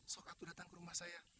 sok aku datang ke rumah saya